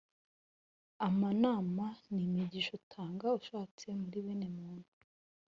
amanama n' imigisha utanga ushatse muri bene muntu.